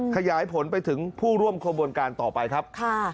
ขยายผลไปถึงผู้ร่วมขบวนการต่อไปครับ